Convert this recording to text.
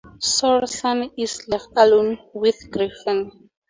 Sorenson is left alone with Griffin.